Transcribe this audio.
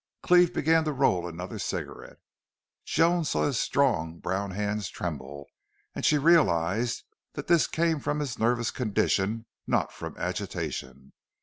Cleve began to roll another cigarette. Joan saw his strong, brown hands tremble, and she realized that this came from his nervous condition, not from agitation.